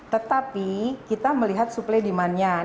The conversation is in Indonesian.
tetapi kita melihat suplai demandnya